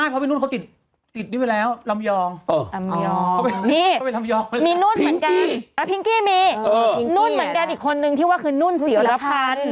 ก็นุ่นกันอีกคนนึงที่ว่าคือนุ่นสิรภาพ